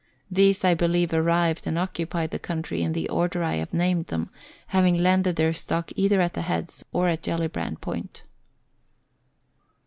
These I believe arrived and occupied the country in the order I have named them, having landed their stock either at the Heads or at Gellibrand Point.